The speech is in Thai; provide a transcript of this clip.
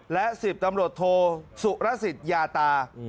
และ๑๐ตำรวจโทสุรสิทธิ์ยาตา